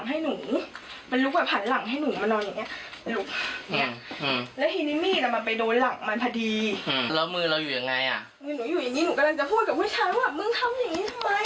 งั้นหนูอยู่นี้หนูกำลังจะพูดกับผู้ชายว่ามึงทำแบบนี้ทำไม